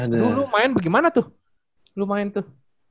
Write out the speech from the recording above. dulu lu main bagaimana tuh lu main tuh